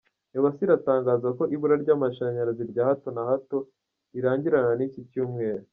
Ewasa iratangaza ko ibura ry’amashanyarazi rya hato na hato rirangirana n’icyi cyumweru